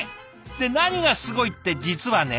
で何がすごいって実はね